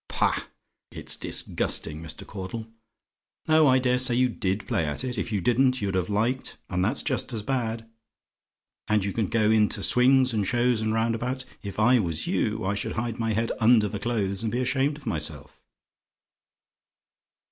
Pah! it's disgusting, Mr. Caudle. Oh, I dare say you DID play at it; if you didn't, you'd have liked, and that's just as bad; and you can go into swings, and shows, and roundabouts. If I was you, I should hide my head under the clothes and be ashamed of myself.